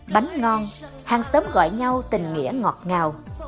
bánh ngon hàng sớm gọi nhau tình nghĩa ngọt ngào